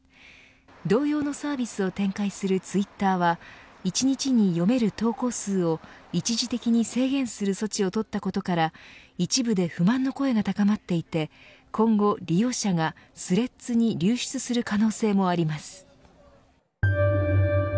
同様のサービスを展開するツイッターは１日に読める投稿数を一時的に制限する措置を取ったことから一部で不満の声が高まっていて今後利用者が、スレッズに流出する可能性もありま